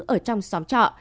ở trong xóm trọ